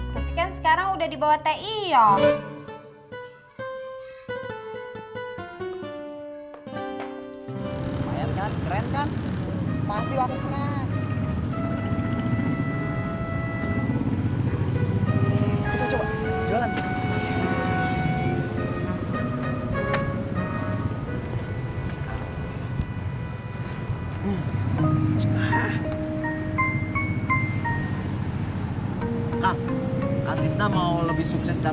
tapi kan sekarang udah di bawah tei yuk